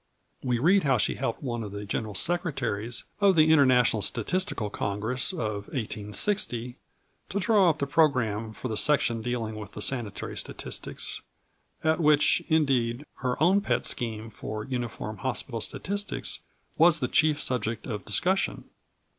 We read how she helped one of the General Secretaries of the International Statistical Congress of 1860 to draw up the programme for the section dealing with sanitary statistics, at which, indeed, her own pet scheme for uniform hospital statistics was the chief subject of discussion.